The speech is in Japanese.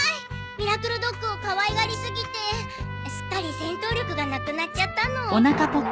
ミラクルドッグをかわいがりすぎてすっかり戦闘力がなくなっちゃったの。